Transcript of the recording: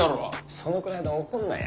そのくらいで怒んなや。